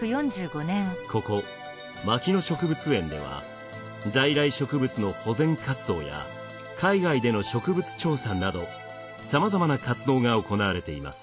ここ牧野植物園では在来植物の保全活動や海外での植物調査などさまざまな活動が行われています。